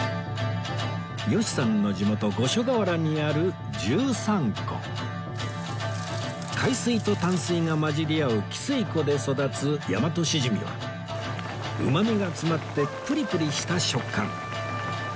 吉さんの地元五所川原にある海水と淡水が混じり合う汽水湖で育つヤマトシジミはうまみが詰まってプリプリした食感